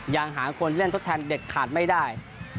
ยังหาคนเล่นทดแทนเด็ดขาดไม่ได้